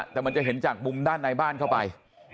แต่มันจะเห็นจากมุมด้านในบ้านเข้าไป